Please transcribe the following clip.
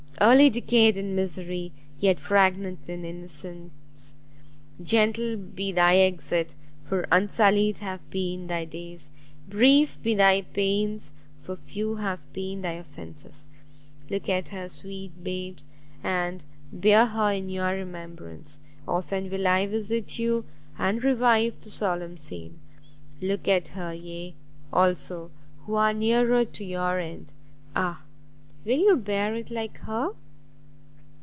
early decayed in misery, yet fragrant in innocence! Gentle be thy exit, for unsullied have been thy days; brief be thy pains, for few have been thy offences! Look at her sweet babes, and bear her in your remembrance; often will I visit you and revive the solemn scene. Look at her ye, also, who are nearer to your end Ah! will you bear it like her!"